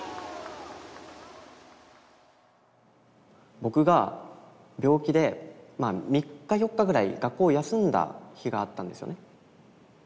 僕が病気で３４日ぐらい学校を休んだ日があったんですよね。